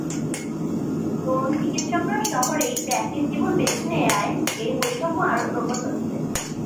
তরুণ চিকিৎসকরা শহরেই প্র্যাকটিস জীবন বেছে নেয়ায় এ বৈষম্য আরও প্রকট হচ্ছে।